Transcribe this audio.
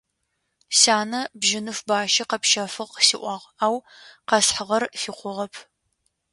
Сянэ бжьыныф бащэ къэпщэфыгъ къысиӏуагъ, ау къэсхьыгъэр фикъугъэп.